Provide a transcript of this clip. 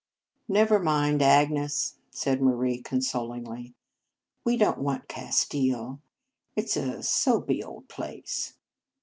" Never mind, Agnes," said Marie consolingly. " We don t want Castile. It s a soapy old place.